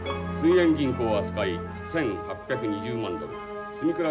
遠銀行扱い１，８２０万ドル住倉